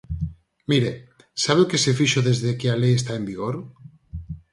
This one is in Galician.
Mire, ¿sabe o que se fixo desde que a lei está en vigor?